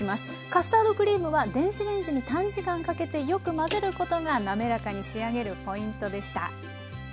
カスタードクリームは電子レンジに短時間かけてよく混ぜることが滑らかに仕上げるポイントでした。